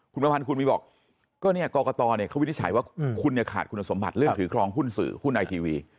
คุณประพันธ์คุณวีบอกก็เนี่ยกรกตเขาวินิจฉัยว่าคุณเนี่ยขาดคุณสมบัติเรื่องถือครองหุ้นสื่อหุ้นไอทีวี